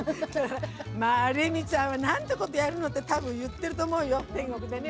まあレミちゃんはなんてことやるのって多分言ってると思うよ天国でね。